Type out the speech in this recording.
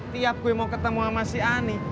tiap gue mau ketemu sama si ani